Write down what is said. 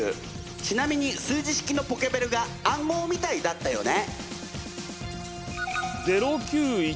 ちなみに数字式のポケベルが暗号みたいだったよね。